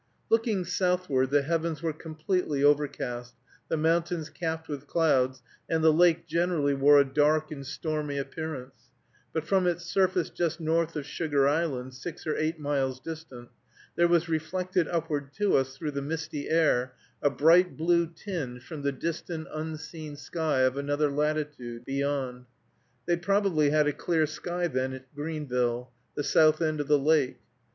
Looking southward, the heavens were completely overcast, the mountains capped with clouds, and the lake generally wore a dark and stormy appearance, but from its surface just north of Sugar Island, six or eight miles distant, there was reflected upward to us through the misty air a bright blue tinge from the distant unseen sky of another latitude beyond. They probably had a clear sky then at Greenville, the south end of the lake.